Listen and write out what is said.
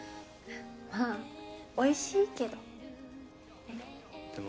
まあおいしいけどねっ。